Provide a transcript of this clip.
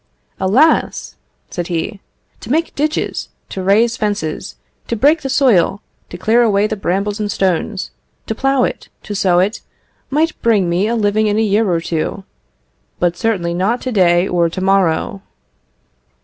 "Alas!" said he, "to make ditches, to raise fences, to break the soil, to clear away the brambles and stones, to plough it, to sow it, might bring me a living in a year or two; but certainly not to day, or to morrow.